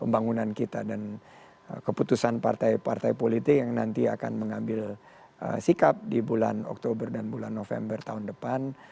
pembangunan kita dan keputusan partai partai politik yang nanti akan mengambil sikap di bulan oktober dan bulan november tahun depan